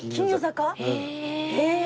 へえ。